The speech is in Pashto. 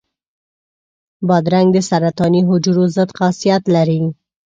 بادرنګ د سرطاني حجرو ضد خاصیت لري.